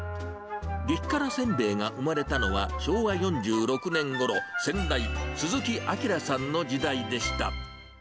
激辛せんべいが生まれたのは、昭和４６年ごろ、先代、鈴木昭さんの時代でした。